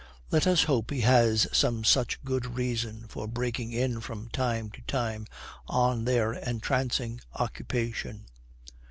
Let us hope he has some such good reason for breaking in from time to time on their entrancing occupation.